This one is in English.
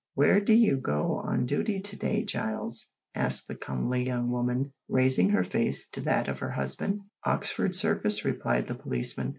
"Where d'you go on duty to day, Giles," asked the comely young woman, raising her face to that of her husband. "Oxford Circus," replied the policeman.